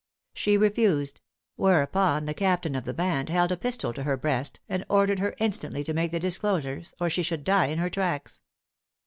She refused; whereupon the captain of the band held a pistol to her breast, and ordered her instantly to make the disclosures, or she should "die in her tracks."